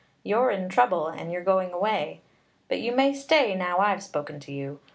You're in trouble, and you're going away. But you may stay, now I've spoken to you.